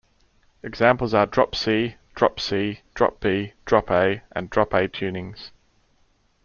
Examples are Drop C, Drop C, Drop B, Drop A, and Drop A tunings.